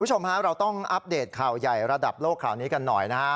คุณผู้ชมฮะเราต้องอัปเดตข่าวใหญ่ระดับโลกข่าวนี้กันหน่อยนะฮะ